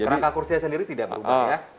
rangka kursi sendiri tidak berubah ya